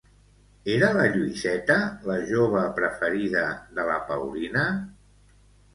Era la Lluïseta la jove preferida de la Paulina?